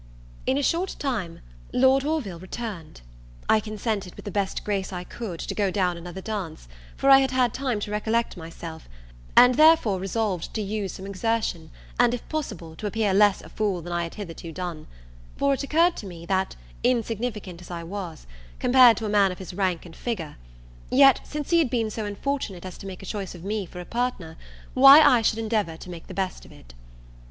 In a short time Lord Orville returned. I consented, with the best grace I could, to go down another dance, for I had had time to recollect myself; and therefore resolved to use some exertion, and, if possible, to appear less a fool than I had hitherto done; for it occurred to me, that, insignificant as I was, compared to a man of his rank and figure; yet, since he had been so unfortunate as to make choice of me for a partner, why I should endeavour to make the best of it.